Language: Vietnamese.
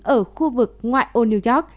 ở khu vực ngoại ô new york